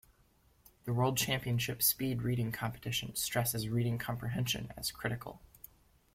The World Championship Speed Reading Competition stresses reading comprehension as critical.